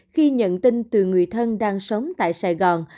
khi nhận tin từ người thân đang sống tại sài gòn